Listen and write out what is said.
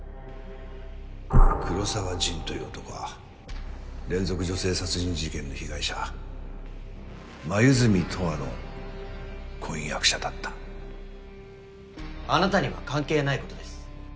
黒澤仁という男は連続女性殺人事件の被害者黛十和の婚約者だったあなたには関係ないことです。